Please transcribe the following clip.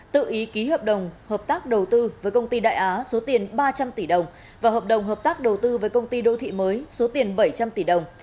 tự ý ký hợp đồng hợp tác đầu tư với công ty đại á số tiền ba trăm linh tỷ đồng và hợp đồng hợp tác đầu tư với công ty đô thị mới số tiền bảy trăm linh tỷ đồng